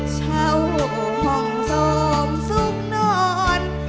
เช่าผ่องซ่อมสุขนอน